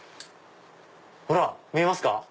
ほら見えますか？